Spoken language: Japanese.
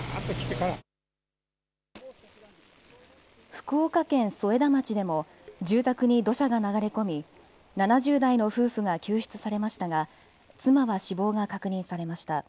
福岡県添田町でも住宅に土砂が流れ込み、７０代の夫婦が救出されましたが妻は死亡が確認されました。